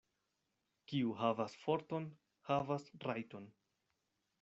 Kiu havas forton, havas rajton.